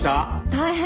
大変！